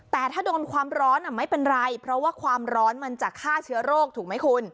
แต่ถ้าโดนความร้อนไม่เป็นไรเพราะว่าความร้อนมันจะฆ่าเชื้อโรคถูกไหมคุณ